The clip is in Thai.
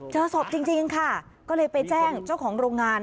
เจอศพจริงค่ะก็เลยไปแจ้งเจ้าของโรงงาน